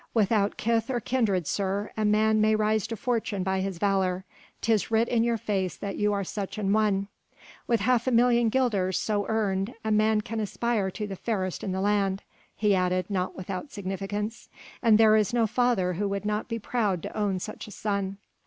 Without kith or kindred, sir, a man may rise to fortune by his valour: 'tis writ in your face that you are such an one. With half a million guilders so earned a man can aspire to the fairest in the land," he added not without significance, "and there is no father who would not be proud to own such a son."